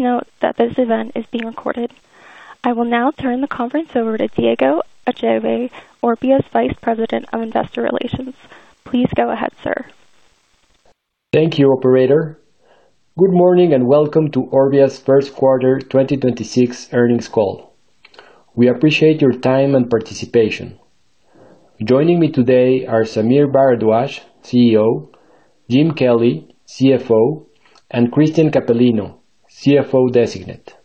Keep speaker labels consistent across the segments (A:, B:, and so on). A: Note that this event is being recorded. I will now turn the conference over to Diego Echave, Orbia's Vice President of Investor Relations. Please go ahead, sir.
B: Thank you, operator. Good morning, and welcome to Orbia's first quarter 2026 earnings call. We appreciate your time and participation. Joining me today are Sameer Bharadwaj, CEO, Jim Kelly, CFO, and Cristian Capellino, CFO Designate.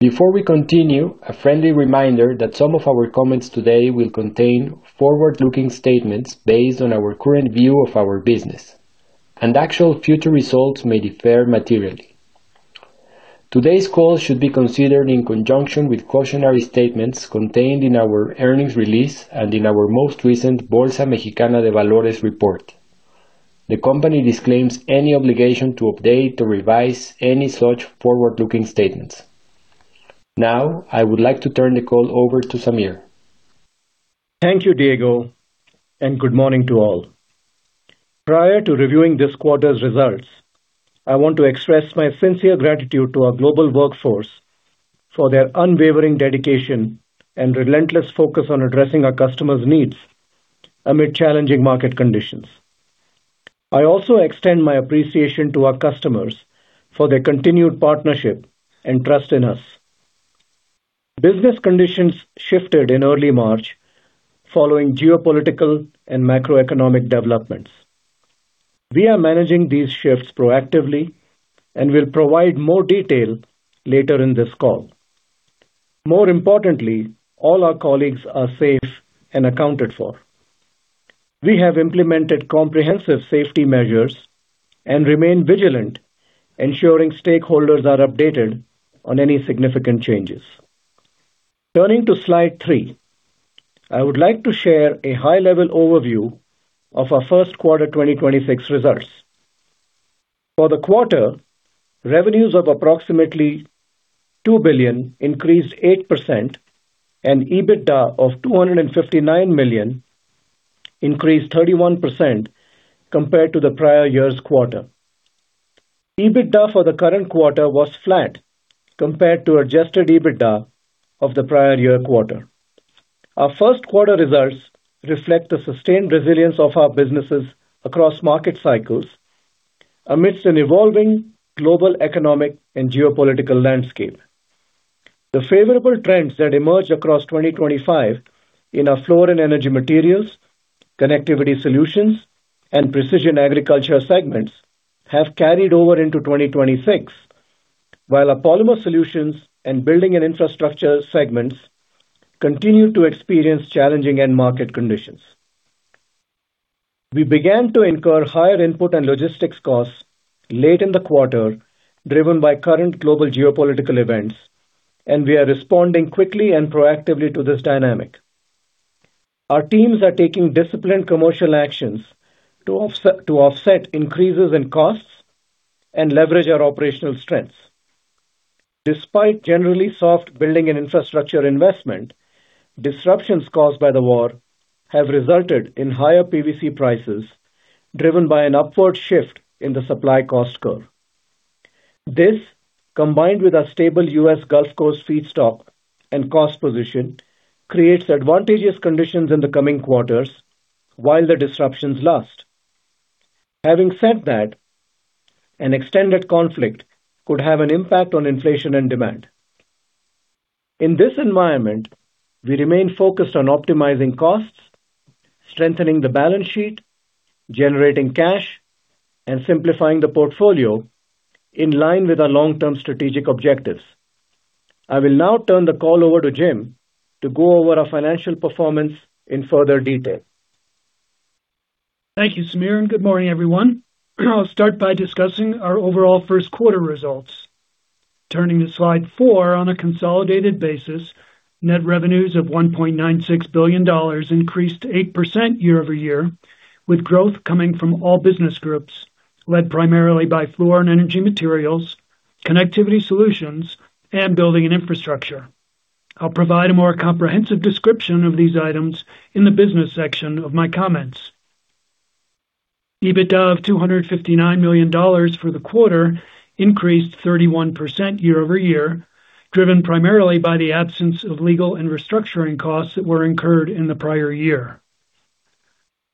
B: Before we continue, a friendly reminder that some of our comments today will contain forward-looking statements based on our current view of our business and actual future results may differ materially. Today's call should be considered in conjunction with cautionary statements contained in our earnings release and in our most recent Bolsa Mexicana de Valores report. The company disclaims any obligation to update or revise any such forward-looking statements. Now I would like to turn the call over to Sameer.
C: Thank you, Diego, and good morning to all. Prior to reviewing this quarter's results, I want to express my sincere gratitude to our global workforce for their unwavering dedication and relentless focus on addressing our customers' needs amid challenging market conditions. I also extend my appreciation to our customers for their continued partnership and trust in us. Business conditions shifted in early March following geopolitical and macroeconomic developments. We are managing these shifts proactively and will provide more detail later in this call. More importantly, all our colleagues are safe and accounted for. We have implemented comprehensive safety measures and remain vigilant, ensuring stakeholders are updated on any significant changes. Turning to slide three. I would like to share a high-level overview of our first quarter 2026 results. For the quarter, revenues of approximately $2 billion increased 8% and EBITDA of $259 million increased 31% compared to the prior year's quarter. EBITDA for the current quarter was flat compared to adjusted EBITDA of the prior year quarter. Our first quarter results reflect the sustained resilience of our businesses across market cycles amidst an evolving global economic and geopolitical landscape. The favorable trends that emerged across 2025 in our Fluor & Energy Materials, Connectivity Solutions, and Precision Agriculture segments have carried over into 2026, while our Polymer Solutions and Building & Infrastructure segments continue to experience challenging end market conditions. We began to incur higher input and logistics costs late in the quarter, driven by current global geopolitical events, and we are responding quickly and proactively to this dynamic. Our teams are taking disciplined commercial actions to offset increases in costs and leverage our operational strengths. Despite generally soft Building & Infrastructure investment, disruptions caused by the war have resulted in higher PVC prices, driven by an upward shift in the supply cost curve. This, combined with our stable U.S. Gulf Coast feedstock and cost position, creates advantageous conditions in the coming quarters while the disruptions last. Having said that, an extended conflict could have an impact on inflation and demand. In this environment, we remain focused on optimizing costs, strengthening the balance sheet, generating cash, and simplifying the portfolio in line with our long-term strategic objectives. I will now turn the call over to Jim to go over our financial performance in further detail.
D: Thank you, Sameer. Good morning, everyone. I'll start by discussing our overall first quarter results. Turning to slide four. On a consolidated basis, net revenues of $1.96 billion increased 8% year-over-year, with growth coming from all business groups led primarily by Fluor & Energy Materials, Connectivity Solutions, and Building & Infrastructure. I'll provide a more comprehensive description of these items in the business section of my comments. EBITDA of $259 million for the quarter increased 31% year-over-year, driven primarily by the absence of legal and restructuring costs that were incurred in the prior year.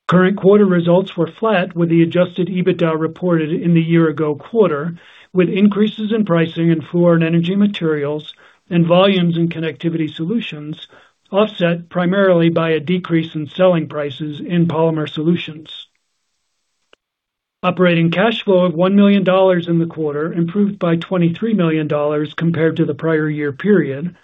D: Current quarter results were flat, with the adjusted EBITDA reported in the year ago quarter, with increases in pricing in Fluor & Energy Materials and volumes in Connectivity Solutions offset primarily by a decrease in selling prices in Polymer Solutions. Operating cash flow of $1 million in the quarter improved by $23 million compared to the prior year period,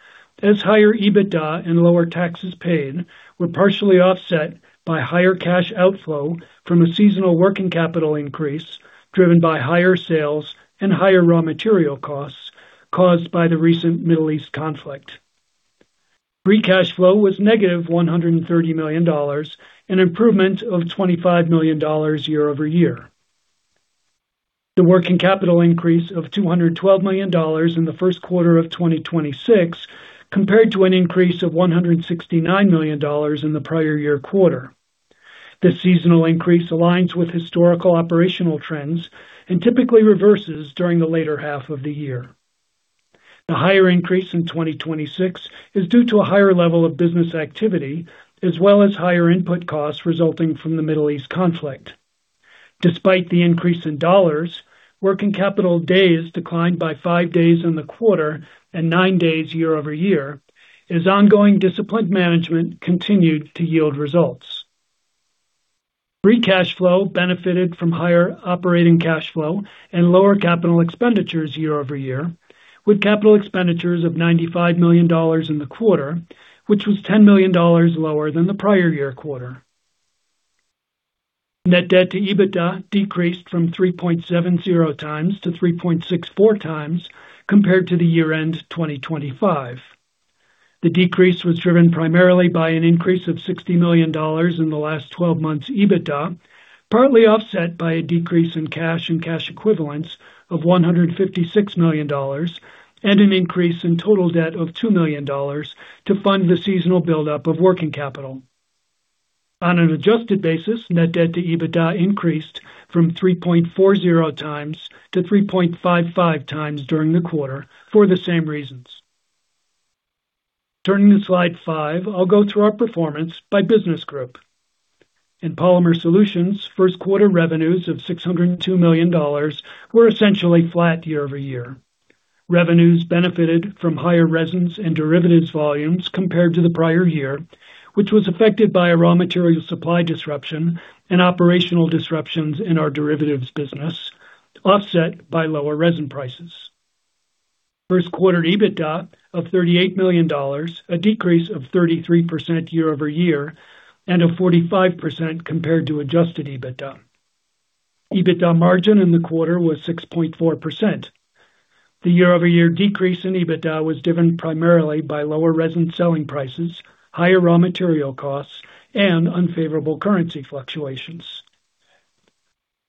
D: as higher EBITDA and lower taxes paid were partially offset by higher cash outflow from a seasonal working capital increase driven by higher sales and higher raw material costs caused by the recent Middle East conflict. Free cash flow was -$130 million, an improvement of $25 million year-over-year. The working capital increase of $212 million in the first quarter of 2026 compared to an increase of $169 million in the prior year quarter. The seasonal increase aligns with historical operational trends and typically reverses during the later half of the year. The higher increase in 2026 is due to a higher level of business activity, as well as higher input costs resulting from the Middle East conflict. Despite the increase in dollars, working capital days declined by five days in the quarter and nine days year-over-year, as ongoing disciplined management continued to yield results. Free cash flow benefited from higher operating cash flow and lower capital expenditures year-over-year, with capital expenditures of $95 million in the quarter, which was $10 million lower than the prior year quarter. Net debt to EBITDA decreased from 3.70x to 3.64x compared to the year-end 2025. The decrease was driven primarily by an increase of $60 million in the last 12 months EBITDA, partly offset by a decrease in cash and cash equivalents of $156 million and an increase in total debt of $2 million to fund the seasonal buildup of working capital. On an adjusted basis, net debt to EBITDA increased from 3.40x-3.55x during the quarter for the same reasons. Turning to slide five, I'll go through our performance by business group. In Polymer Solutions, first quarter revenues of $602 million were essentially flat year-over-year. Revenues benefited from higher resins and derivatives volumes compared to the prior year, which was affected by a raw material supply disruption and operational disruptions in our derivatives business, offset by lower resin prices. First quarter EBITDA of $38 million, a decrease of 33% year-over-year and of 45% compared to adjusted EBITDA. EBITDA margin in the quarter was 6.4%. The year-over-year decrease in EBITDA was driven primarily by lower resin selling prices, higher raw material costs, and unfavorable currency fluctuations.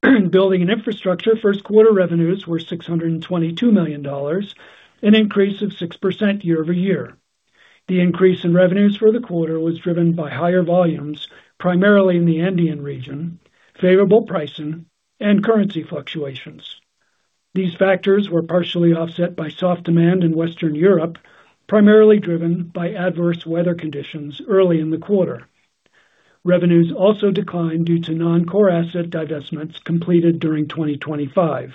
D: Building & Infrastructure first quarter revenues were $622 million, an increase of 6% year-over-year. The increase in revenues for the quarter was driven by higher volumes, primarily in the Andean region, favorable pricing, and currency fluctuations. These factors were partially offset by soft demand in Western Europe, primarily driven by adverse weather conditions early in the quarter. Revenues also declined due to non-core asset divestments completed during 2025.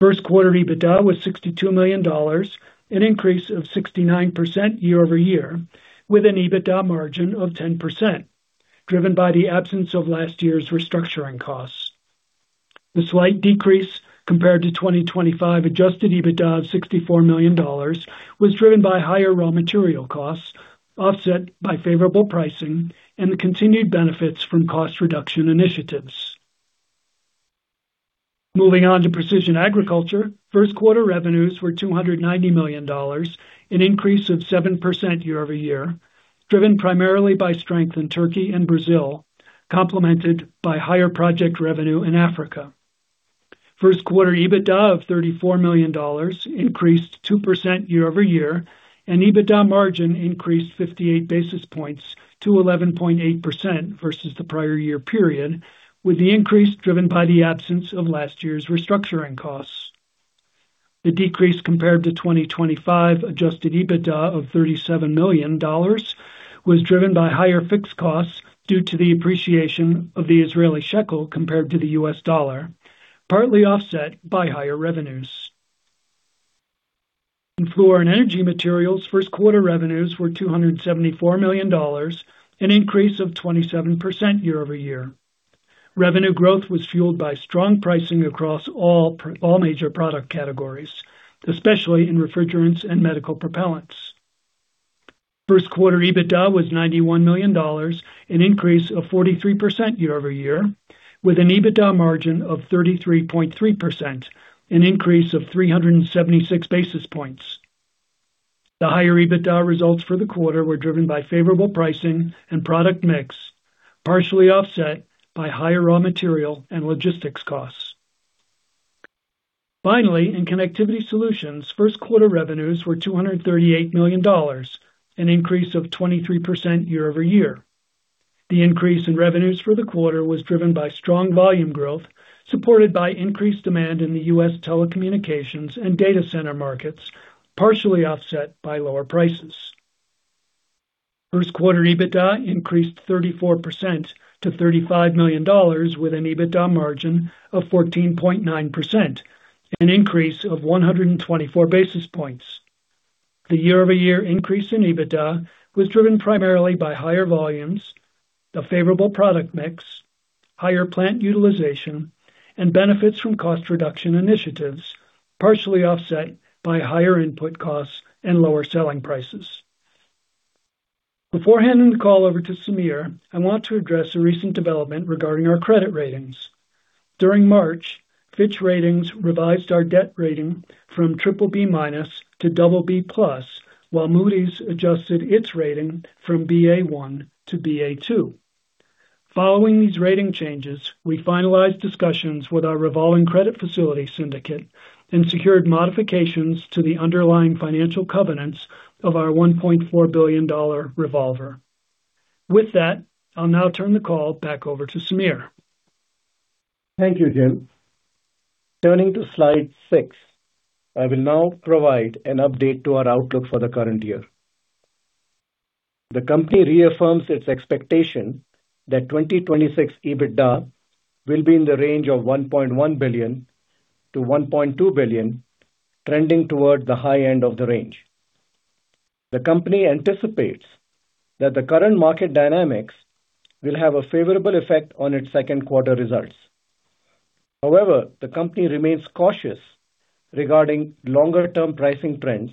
D: First quarter EBITDA was $62 million, an increase of 69% year-over-year, with an EBITDA margin of 10%, driven by the absence of last year's restructuring costs. The slight decrease compared to 2025 adjusted EBITDA of $64 million was driven by higher raw material costs, offset by favorable pricing and the continued benefits from cost reduction initiatives. Moving on to Precision Agriculture. First quarter revenues were $290 million, an increase of 7% year-over-year, driven primarily by strength in Turkey and Brazil, complemented by higher project revenue in Africa. First quarter EBITDA of $34 million increased 2% year-over-year, and EBITDA margin increased 58 basis points to 11.8% versus the prior year period, with the increase driven by the absence of last year's restructuring costs. The decrease compared to 2025 adjusted EBITDA of $37 million was driven by higher fixed costs due to the appreciation of the Israeli shekel compared to the U.S. dollar, partly offset by higher revenues. In Fluor & Energy Materials, first quarter revenues were $274 million, an increase of 27% year-over-year. Revenue growth was fueled by strong pricing across all major product categories, especially in refrigerants and medical propellants. First quarter EBITDA was $91 million, an increase of 43% year-over-year, with an EBITDA margin of 33.3%, an increase of 376 basis points. The higher EBITDA results for the quarter were driven by favorable pricing and product mix, partially offset by higher raw material and logistics costs. Finally, in Connectivity Solutions, first quarter revenues were $238 million, an increase of 23% year-over-year. The increase in revenues for the quarter was driven by strong volume growth, supported by increased demand in the U.S. telecommunications and data center markets, partially offset by lower prices. First quarter EBITDA increased 34% to $35 million, with an EBITDA margin of 14.9%, an increase of 124 basis points. The year-over-year increase in EBITDA was driven primarily by higher volumes, a favorable product mix, higher plant utilization, and benefits from cost reduction initiatives, partially offset by higher input costs and lower selling prices. Before handing the call over to Sameer, I want to address a recent development regarding our credit ratings. During March, Fitch Ratings revised our debt rating from BBB minus to BB plus, while Moody's adjusted its rating from BA one to BA two. Following these rating changes, we finalized discussions with our revolving credit facility syndicate and secured modifications to the underlying financial covenants of our $1.4 billion revolver. With that, I'll now turn the call back over to Sameer.
C: Thank you, Jim. Turning to slide six, I will now provide an update to our outlook for the current year. The company reaffirms its expectation that 2026 EBITDA will be in the range of $1.1 billion-$1.2 billion, trending toward the high end of the range. The company anticipates that the current market dynamics will have a favorable effect on its second quarter results. However, the company remains cautious regarding longer term pricing trends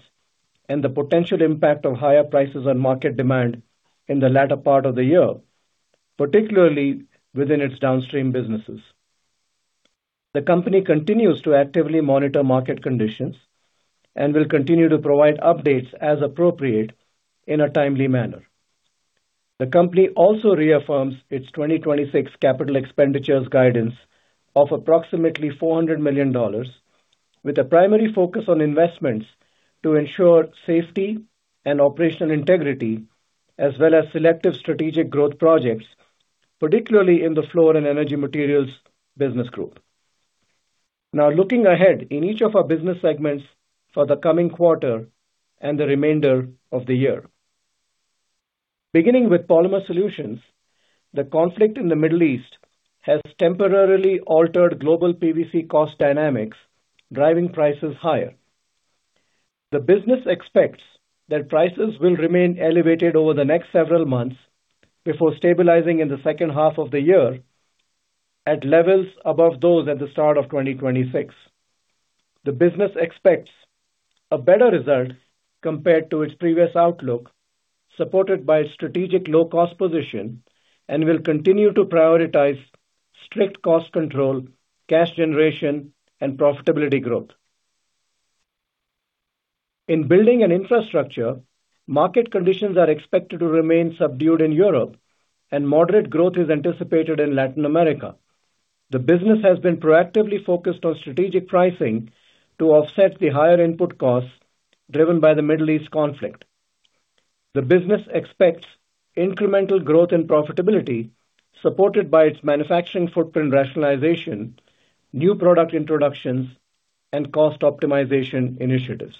C: and the potential impact of higher prices on market demand in the latter part of the year, particularly within its downstream businesses. The company continues to actively monitor market conditions and will continue to provide updates as appropriate in a timely manner. The company also reaffirms its 2026 capital expenditure guidance of approximately $400 million, with a primary focus on investments to ensure safety and operational integrity as well as selective strategic growth projects, particularly in the Fluor & Energy Materials business group. Now looking ahead in each of our business segments for the coming quarter and the remainder of the year. Beginning with Polymer Solutions, the conflict in the Middle East has temporarily altered global PVC cost dynamics, driving prices higher. The business expects that prices will remain elevated over the next several months before stabilizing in the second half of the year at levels above those at the start of 2026. The business expects a better result compared to its previous outlook, supported by strategic low cost position and will continue to prioritize strict cost control, cash generation, and profitability growth. In Building & Infrastructure, market conditions are expected to remain subdued in Europe and moderate growth is anticipated in Latin America. The business has been proactively focused on strategic pricing to offset the higher input costs driven by the Middle East conflict. The business expects incremental growth and profitability supported by its manufacturing footprint rationalization, new product introductions, and cost optimization initiatives.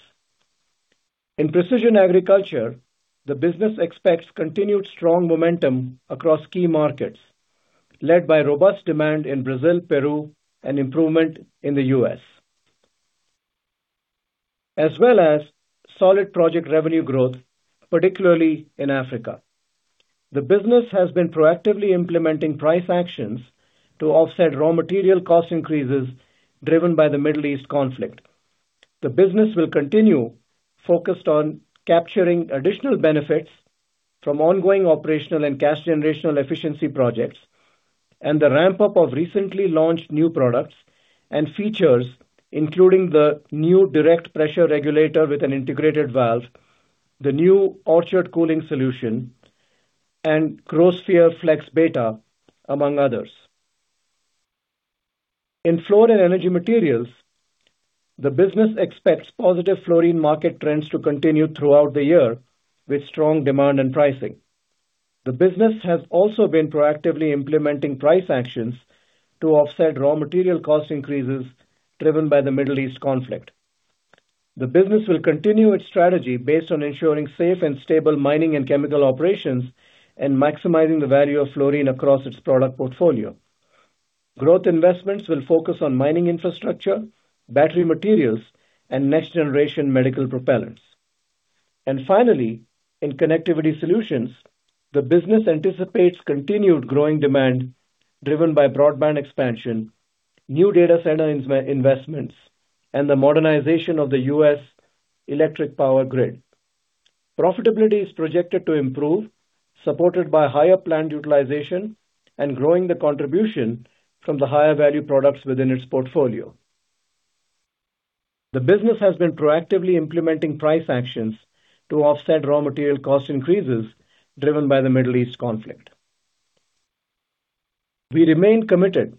C: In Precision Agriculture, the business expects continued strong momentum across key markets, led by robust demand in Brazil, Peru, and improvement in the U.S., as well as solid project revenue growth, particularly in Africa. The business has been proactively implementing price actions to offset raw material cost increases driven by the Middle East conflict. The business will continue focused on capturing additional benefits from ongoing operational and cash generational efficiency projects and the ramp-up of recently launched new products and features, including the new direct pressure regulator with an integrated valve, the new orchard cooling solution, and GrowSphere FLEX Beta, among others. In Fluor & Energy Materials, the business expects positive fluorine market trends to continue throughout the year with strong demand and pricing. The business has also been proactively implementing price actions to offset raw material cost increases driven by the Middle East conflict. The business will continue its strategy based on ensuring safe and stable mining and chemical operations and maximizing the value of fluorine across its product portfolio. Growth investments will focus on mining infrastructure, battery materials, and next generation medical propellants. Finally, in Connectivity Solutions, the business anticipates continued growing demand driven by broadband expansion, new data center investments, and the modernization of the U.S. electric power grid. Profitability is projected to improve, supported by higher planned utilization and growing the contribution from the higher value products within its portfolio. The business has been proactively implementing price actions to offset raw material cost increases driven by the Middle East conflict. We remain committed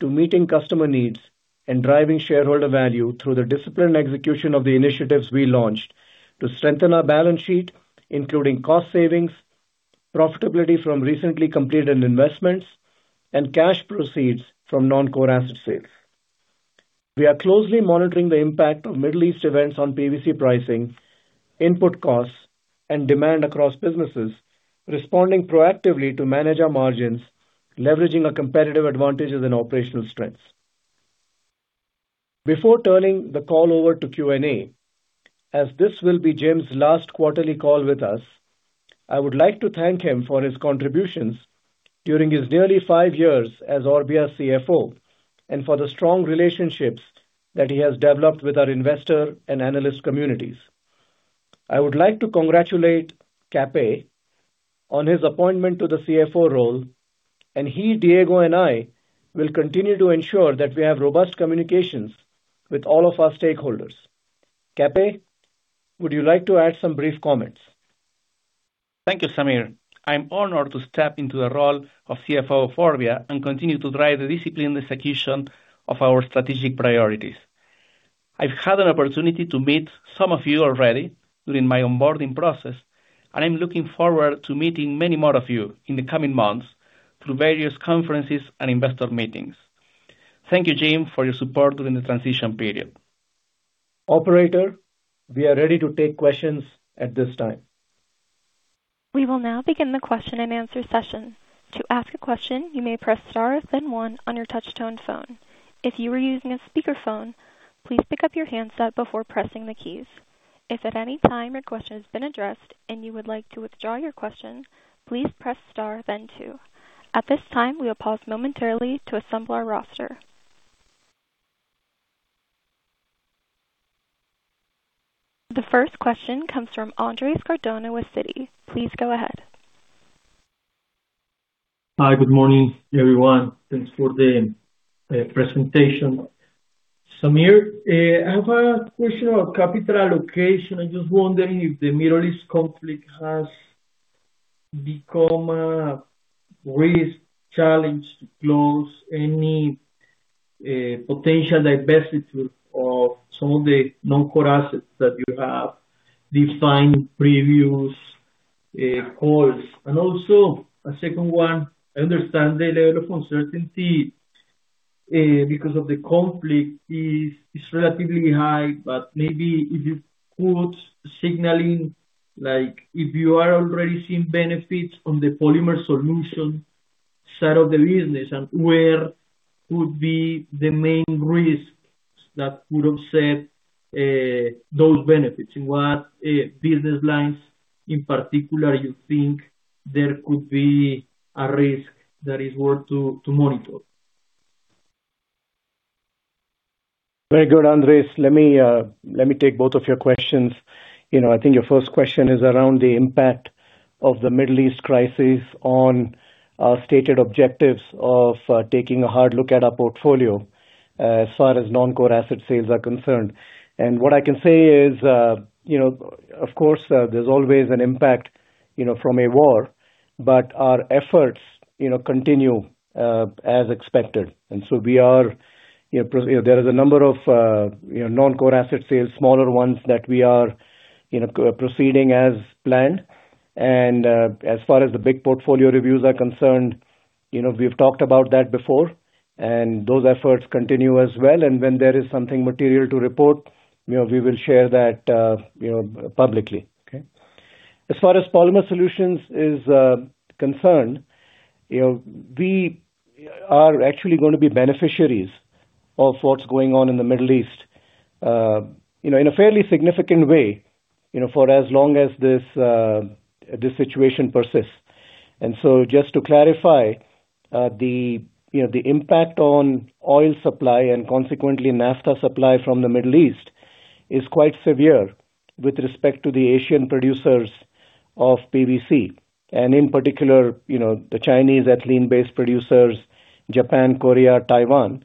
C: to meeting customer needs and driving shareholder value through the disciplined execution of the initiatives we launched to strengthen our balance sheet, including cost savings, profitability from recently completed investments, and cash proceeds from non-core asset sales. We are closely monitoring the impact of Middle East events on PVC pricing, input costs, and demand across businesses, responding proactively to manage our margins, leveraging our competitive advantages and operational strengths. Before turning the call over to Q&A, as this will be Jim's last quarterly call with us, I would like to thank him for his contributions during his nearly five years as Orbia CFO and for the strong relationships that he has developed with our investor and analyst communities. I would like to congratulate Cape on his appointment to the CFO role, and he, Diego, and I will continue to ensure that we have robust communications with all of our stakeholders. Cape, would you like to add some brief comments?
E: Thank you, Sameer. I'm honored to step into the role of CFO of Orbia and continue to drive the disciplined execution of our strategic priorities. I've had an opportunity to meet some of you already during my onboarding process, and I'm looking forward to meeting many more of you in the coming months through various conferences and investor meetings. Thank you, Jim, for your support during the transition period.
C: Operator, we are ready to take questions at this time.
A: We will now begin the question-and-answer session. At this time, we will pause momentarily to assemble our roster. The first question comes from Andres Cardona with Citi. Please go ahead.
F: Hi. Good morning, everyone. Thanks for the presentation. Sameer, I have a question about capital allocation. I'm just wondering if the Middle East conflict has become a risk, challenge to close any potential divestiture of some of the non-core assets that you have defined previous calls. Also a second one, I understand the level of uncertainty because of the conflict is relatively high, but maybe if you could signaling, like, if you are already seeing benefits from the Polymer Solutions side of the business and where could be the main risks that could offset those benefits? In what business lines in particular you think there could be a risk that is worth to monitor?
C: Very good, Andres. Let me take both of your questions. You know, I think your first question is around the impact of the Middle East crisis on our stated objectives of taking a hard look at our portfolio as far as non-core asset sales are concerned. What I can say is, you know, of course, there's always an impact, you know, from a war, but our efforts, you know, continue as expected. We are, you know, There is a number of, you know, non-core asset sales, smaller ones that we are, you know, proceeding as planned. As far as the big portfolio reviews are concerned, you know, we've talked about that before, those efforts continue as well. When there is something material to report, you know, we will share that, you know, publicly. Okay? As far as Polymer Solutions is concerned, you know, we are actually gonna be beneficiaries of what's going on in the Middle East, you know, in a fairly significant way, you know, for as long as this situation persists. Just to clarify, you know, the impact on oil supply and consequently naphtha supply from the Middle East is quite severe with respect to the Asian producers of PVC, and in particular, you know, the Chinese ethylene-based producers, Japan, Korea, Taiwan.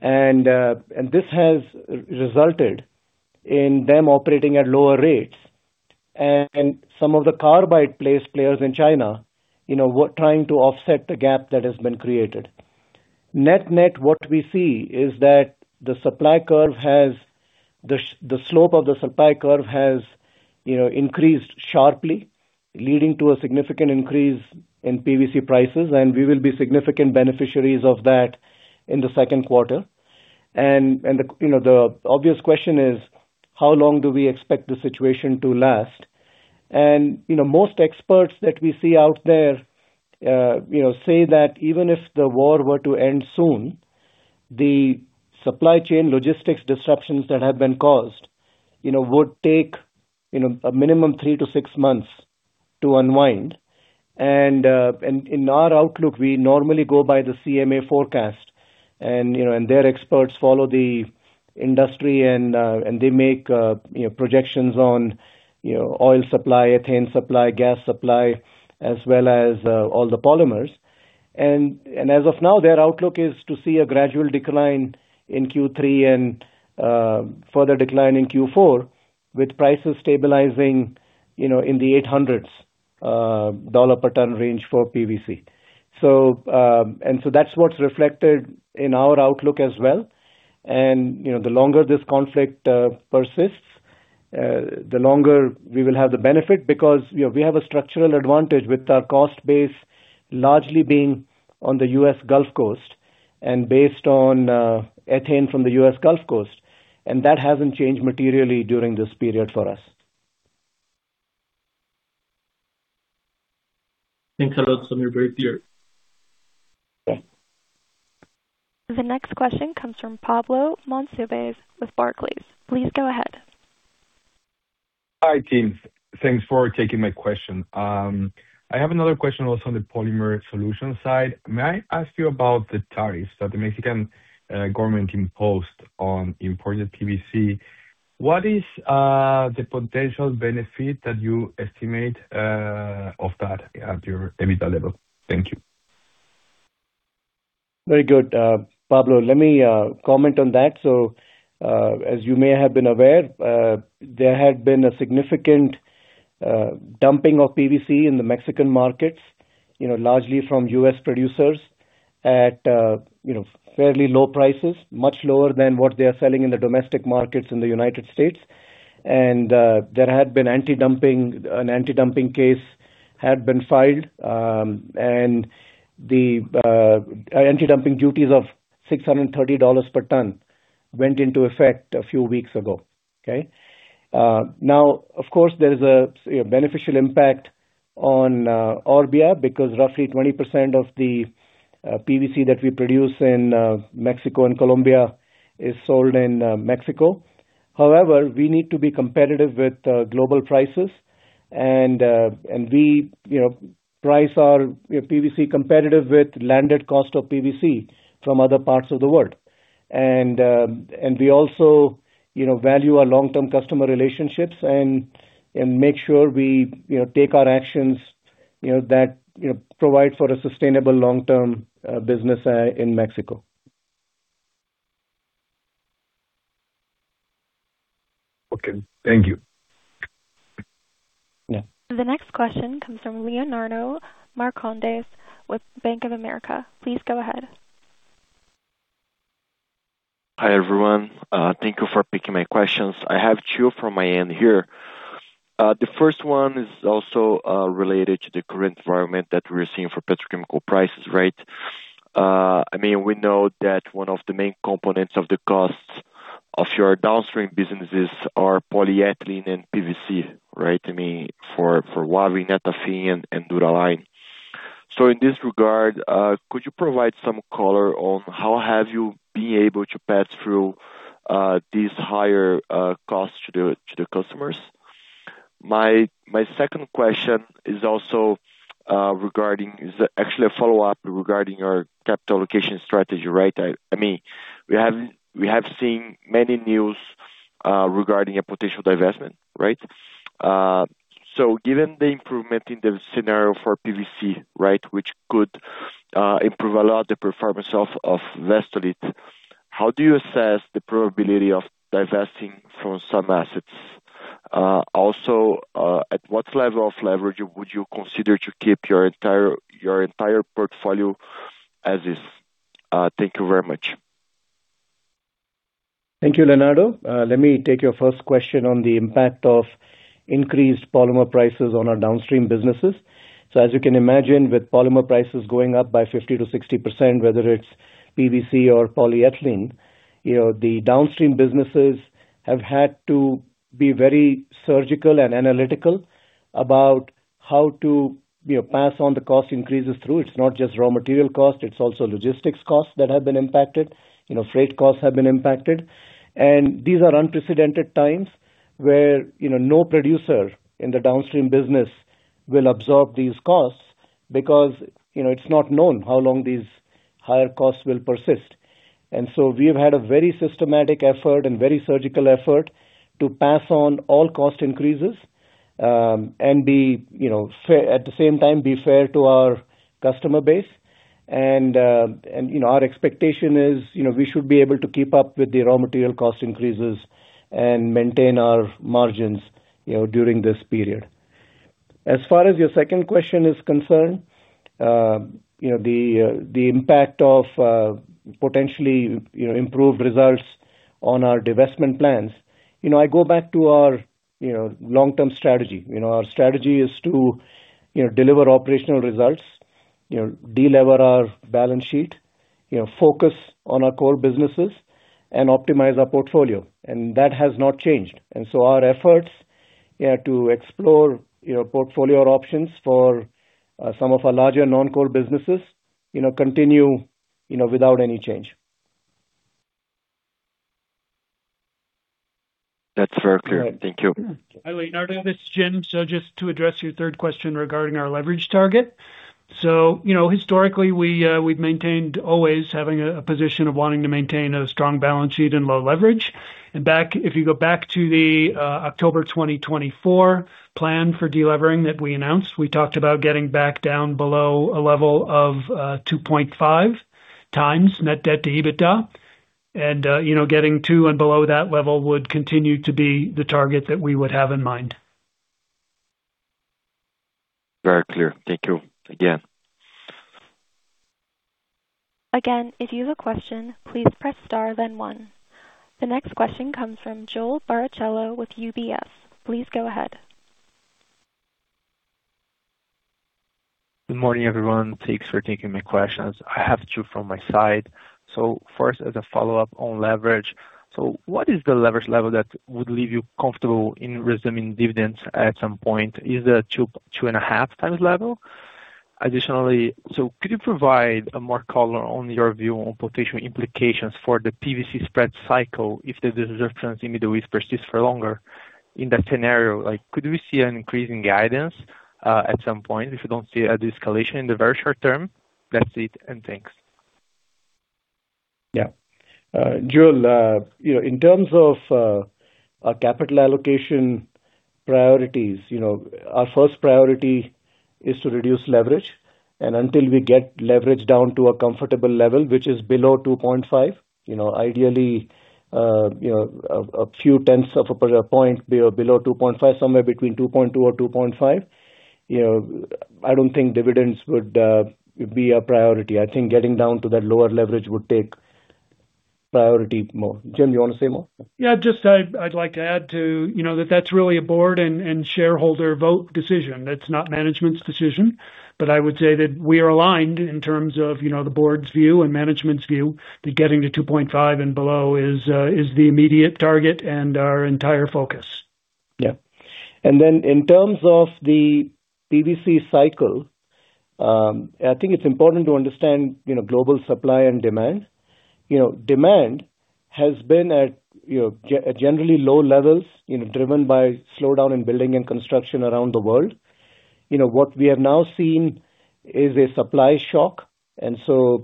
C: This has resulted in them operating at lower rates. Some of the carbide players in China, you know, were trying to offset the gap that has been created. Net-net what we see is that the supply curve has. The slope of the supply curve has, you know, increased sharply, leading to a significant increase in PVC prices, and we will be significant beneficiaries of that in the second quarter. The, you know, the obvious question is: How long do we expect the situation to last? You know, most experts that we see out there, you know, say that even if the war were to end soon, the supply chain logistics disruptions that have been caused, you know, would take, you know, a minimum three to six months to unwind. In our outlook, we normally go by the CMA forecast and, you know, their experts follow the industry, and they make, you know, projections on, you know, oil supply, ethane supply, gas supply, as well as all the polymers. As of now, their outlook is to see a gradual decline in Q3 and further decline in Q4 with prices stabilizing, you know, in the $800 per ton range for PVC. That's what's reflected in our outlook as well. You know, the longer this conflict persists, the longer we will have the benefit because, you know, we have a structural advantage with our cost base largely being on the U.S. Gulf Coast and based on ethane from the U.S. Gulf Coast, and that hasn't changed materially during this period for us.
F: Thanks a lot, Sameer. Very clear.
A: The next question comes from Pablo Monsivais with Barclays. Please go ahead.
G: Hi, team. Thanks for taking my question. I have another question also on the Polymer Solutions side. May I ask you about the tariffs that the Mexican government imposed on imported PVC? What is the potential benefit that you estimate of that at your EBITDA level? Thank you.
C: Very good. Pablo Monsivais, let me comment on that. As you may have been aware, there had been a significant dumping of PVC in the Mexican markets, you know, largely from U.S. producers. At, you know, fairly low prices, much lower than what they are selling in the domestic markets in the United States. An anti-dumping case had been filed, and the anti-dumping duties of $630 per ton went into effect a few weeks ago, okay. Now, of course, there is a beneficial impact on Orbia because roughly 20% of the PVC that we produce in Mexico and Colombia is sold in Mexico. However, we need to be competitive with global prices, and we, you know, price our PVC competitive with landed cost of PVC from other parts of the world. We also, you know, value our long-term customer relationships and make sure we, you know, take our actions, you know, that, you know, provide for a sustainable long-term business in Mexico.
G: Okay. Thank you.
C: Yeah.
A: The next question comes from Leonardo Marcondes with Bank of America. Please go ahead.
H: Hi, everyone. Thank you for picking my questions. I have two from my end here. The first one is also related to the current environment that we're seeing for petrochemical prices, right? I mean, we know that one of the main components of the costs of your downstream businesses are polyethylene and PVC, right? I mean, for Wavin, AlphagaryEthafine, and Dura-Line. In this regard, could you provide some color on how have you been able to pass through these higher costs to the customers? My second question is also actually a follow-up regarding our capital allocation strategy, right? I mean, we have seen many news regarding a potential divestment, right? Given the improvement in the scenario for PVC, right, which could improve a lot the performance of Vestolit, how do you assess the probability of divesting from some assets? Also, at what level of leverage would you consider to keep your entire portfolio as is? Thank you very much.
C: Thank you, Leonardo. Let me take your first question on the impact of increased polymer prices on our downstream businesses. As you can imagine, with polymer prices going up by 50%-60%, whether it's PVC or polyethylene, you know, the downstream businesses have had to be very surgical and analytical about how to, you know, pass on the cost increases through. It's not just raw material costs, it's also logistics costs that have been impacted. You know, freight costs have been impacted. These are unprecedented times where, you know, no producer in the downstream business will absorb these costs because, you know, it's not known how long these higher costs will persist. We have had a very systematic effort and very surgical effort to pass on all cost increases, and be, you know, fair at the same time, be fair to our customer base. Our expectation is, you know, we should be able to keep up with the raw material cost increases and maintain our margins, you know, during this period. As far as your second question is concerned, you know, the impact of potentially, you know, improved results on our divestment plans. You know, I go back to our, you know, long-term strategy. You know, our strategy is to, you know, deliver operational results, you know, delever our balance sheet, you know, focus on our core businesses and optimize our portfolio. That has not changed. Our efforts, yeah, to explore, you know, portfolio options for some of our larger non-core businesses, you know, continue, you know, without any change.
H: That's very clear. Thank you.
C: Go ahead.
D: Hi, Leonardo, this is Jim. Just to address your third question regarding our leverage target. You know, historically, we've maintained always having a position of wanting to maintain a strong balance sheet and low leverage. If you go back to the October 2024 plan for de-levering that we announced, we talked about getting back down below a level of 2.5x net debt to EBITDA. You know, getting to and below that level would continue to be the target that we would have in mind.
H: Very clear. Thank you again.
A: Again, if you have a question, please press star then one. The next question comes from Joe Lauricella with UBS. Please go ahead.
I: Good morning, everyone. Thanks for taking my questions. I have two from my side. First, as a follow-up on leverage. What is the leverage level that would leave you comfortable in resuming dividends at some point? Is it a 2.5x level? Additionally, could you provide more color on your view on potential implications for the PVC spread cycle if the desert trends in the Middle East persists for longer? In that scenario, like could we see an increase in guidance at some point if you don't see a de-escalation in the very short term? That's it, thanks.
C: Joe, you know, in terms of our capital allocation priorities, you know, our first priority is to reduce leverage. Until we get leverage down to a comfortable level, which is below 2.5, you know, ideally, you know, a few 10ths of a point below 2.5, somewhere between 2.2 or 2.5. You know, I don't think dividends would be a priority. I think getting down to that lower leverage would take priority more. Jim, you want to say more?
D: Yeah, I'd like to add to, you know, that's really a board and shareholder vote decision. That's not management's decision. I would say that we are aligned in terms of, you know, the board's view and management's view that getting to 2.5 and below is the immediate target and our entire focus.
C: Yeah. In terms of the PVC cycle, I think it's important to understand, you know, global supply and demand. You know, demand has been at, you know, generally low levels, you know, driven by slowdown in building and construction around the world. You know, what we have now seen is a supply shock. You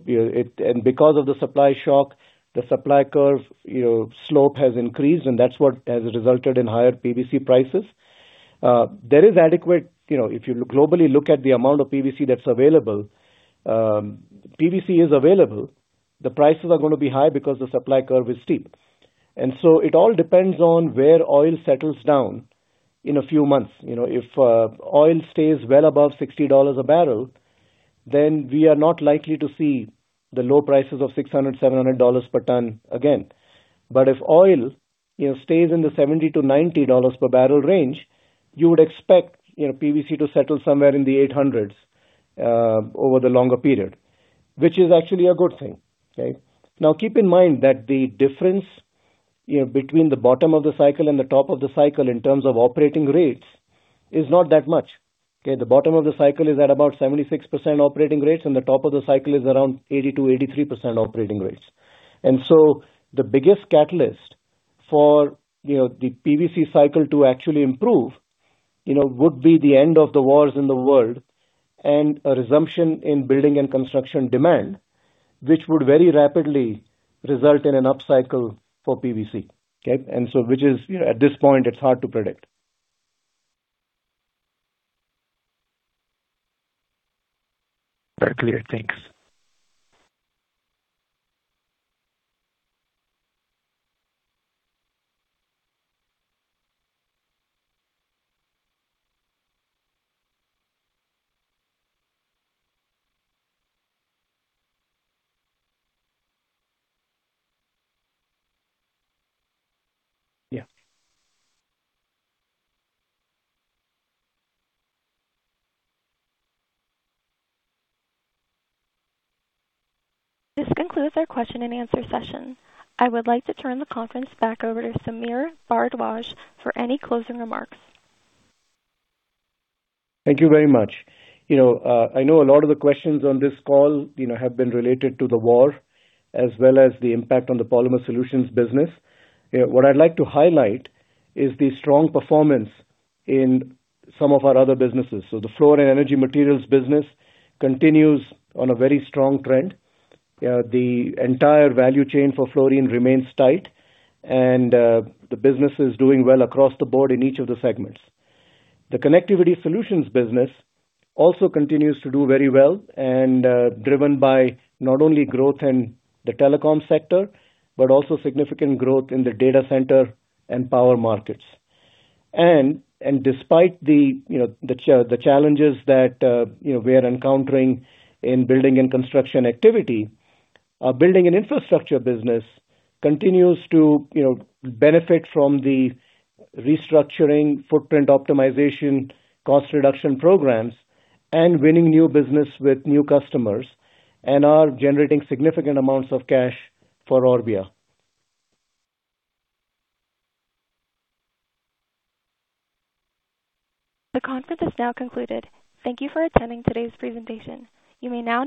C: know, because of the supply shock, the supply curve, you know, slope has increased, that's what has resulted in higher PVC prices. There is adequate, you know, if you globally look at the amount of PVC that's available, PVC is available. The prices are going to be high because the supply curve is steep. It all depends on where oil settles down in a few months. You know, if oil stays well above $60 a barrel, we are not likely to see the low prices of $600-$700 per ton again. If oil, you know, stays in the $70-$90 per barrel range, you would expect, you know, PVC to settle somewhere in the $800s over the longer period, which is actually a good thing. Okay? Keep in mind that the difference, you know, between the bottom of the cycle and the top of the cycle in terms of operating rates is not that much. Okay? The bottom of the cycle is at about 76% operating rates, the top of the cycle is around 80%-83% operating rates. The biggest catalyst for, you know, the PVC cycle to actually improve, you know, would be the end of the wars in the world and a resumption in building and construction demand, which would very rapidly result in an upcycle for PVC. Okay? Which is, you know, at this point, it's hard to predict.
I: Very clear. Thanks. Yeah.
A: This concludes our question and answer session. I would like to turn the conference back over to Sameer Bharadwaj for any closing remarks.
C: Thank you very much. You know, I know a lot of the questions on this call, you know, have been related to the war as well as the impact on the Polymer Solutions business. You know, what I'd like to highlight is the strong performance in some of our other businesses. The Fluor & Energy Materials business continues on a very strong trend. The entire value chain for Fluorine remains tight, and the business is doing well across the board in each of the segments. The Connectivity Solutions business also continues to do very well and driven by not only growth in the telecom sector, but also significant growth in the data center and power markets. Despite the, you know, the challenges that, you know, we are encountering in building and construction activity, our Building & Infrastructure business continues to, you know, benefit from the restructuring footprint optimization cost reduction programs and winning new business with new customers and are generating significant amounts of cash for Orbia.
A: The conference is now concluded. Thank you for attending today's presentation. You may now disconnect.